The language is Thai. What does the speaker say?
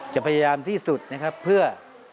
จะพยายามที่สุดนะครับเพื่อ